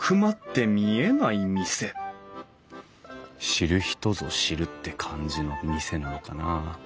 知る人ぞ知るって感じの店なのかなあ。